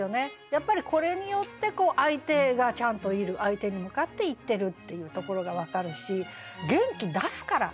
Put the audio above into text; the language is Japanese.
やっぱりこれによって相手がちゃんといる相手に向かって言ってるっていうところが分かるし「元気出すから」。